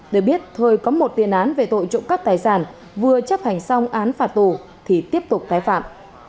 để biết thời có một tiền án về tội trộm cắp tài sản vừa chấp hành xong án phạt tù thì tiếp tục tái phạm